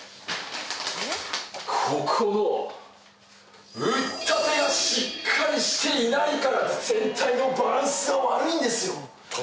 ここのうったてがしっかりしていないから全体のバランスが悪いんですよ！